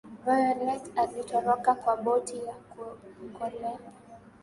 violett alitoroka kwa boti ya kuokolea